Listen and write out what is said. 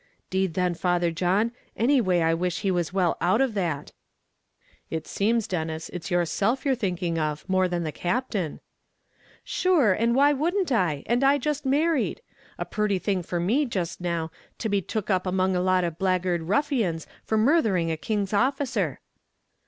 "'Deed then. Father John, any way I wish he was well out of that." "It seems, Denis, it's yourself you're thinking of, more than the Captain." "Shure, and why wouldn't I and I just married? A purty thing for me just now, to be took up among a lot of blackguard ruffians for murthering a king's officer."